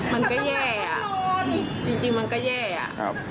มันก็แย่อ่ะจริงจริงมันก็แย่อ่ะครับ